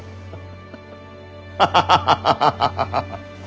ハハハハハハハ。